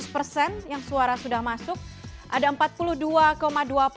seratus persen yang suara sudah masuk ada empat puluh dua dua puluh tujuh persen